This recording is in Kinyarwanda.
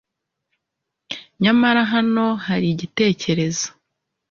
Nyamara hano hari igitekerezo